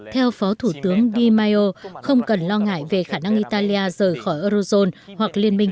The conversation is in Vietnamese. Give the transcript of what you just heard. theo phó thủ tướng di maio không cần lo ngại về khả năng italia rời khỏi eurozone hoặc liên minh